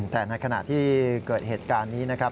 แต่ในขณะที่เกิดเหตุการณ์นี้นะครับ